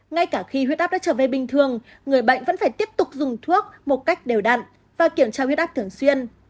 ngay cả khi huyết áp đã trở về bình thường người bệnh vẫn phải tiếp tục dùng thuốc một cách đều đặn và kiểm tra huyết áp thường xuyên